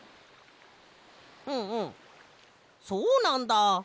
うんうんそうなんだ！